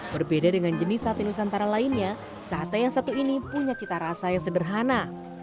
berbeda dengan jenis sate nusantara lainnya sate yang satu ini punya cita rasa yang sederhana